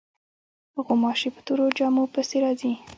غوماشې په تورو جامو پسې راځي.